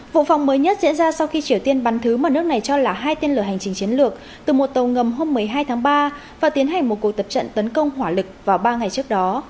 vụ phóng mới nhất diễn ra sau khi triều tiên bắn thứ mà nước này cho là hai tên lửa hành trình chiến lược từ một tàu ngầm hôm một mươi hai tháng ba và tiến hành một cuộc tập trận tấn công hỏa lực vào ba ngày trước đó